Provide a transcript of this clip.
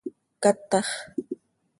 ¡Catax!